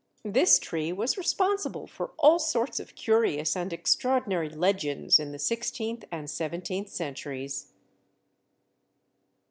This tree was responsible for all sorts of curious and extraordinary legends in the sixteenth and seventeenth centuries.